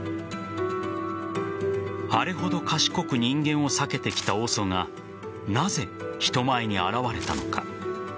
あれほど賢く人間を避けてきたＯＳＯがなぜ、人前に現れたのか。